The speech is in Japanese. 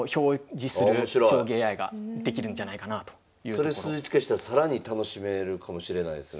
それ数値化したら更に楽しめるかもしれないですね。